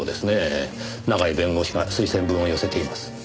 永井弁護士が推薦文を寄せています。